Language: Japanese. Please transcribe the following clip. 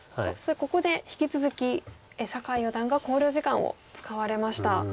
ここで引き続き酒井四段が考慮時間を使われました。